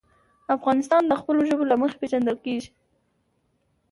افغانستان د خپلو ژبو له مخې پېژندل کېږي.